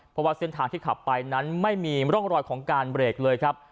เพราะว่าเส้นทางที่ขับไปนั้นไม่มีร่องรอยของการเบรกเลยครับ